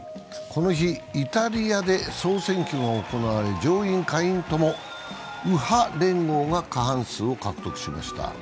この日、イタリアで総選挙が行われ上院・下院ともに右派連合が過半数を獲得しました。